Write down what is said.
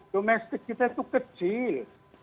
domestik kita itu kecil